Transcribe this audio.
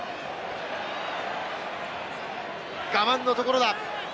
我慢のところだ。